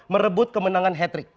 merebut kemenangan hattrick